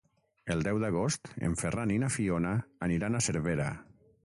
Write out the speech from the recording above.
El deu d'agost en Ferran i na Fiona aniran a Cervera.